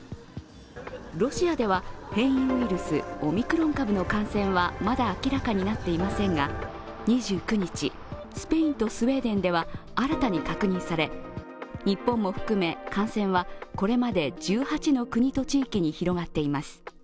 ロシアでは変異ウイルスオミクロン株の感染はまだ明らかになっていませんが、２９日、スペインとスウェーデンでは新たに確認され日本を含め感染はこれまで１８の国と地域に広がっています。